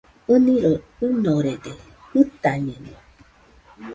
ɨniroi ɨnorede, jɨtañeno